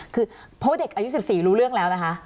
คือเพราะเด็กอายุ๑๔รู้เรื่องแล้วนะคะ